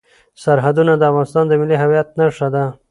سرحدونه د افغانستان د ملي هویت نښه ده.